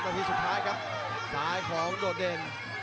ประโยชน์ทอตอร์จานแสนชัยกับยานิลลาลีนี่ครับ